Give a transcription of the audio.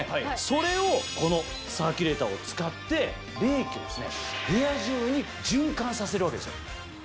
それをこのサーキュレーターを使って冷気を部屋中に循環させるわけですよ。